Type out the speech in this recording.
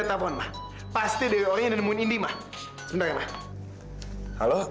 aku mau ketemu sama kamila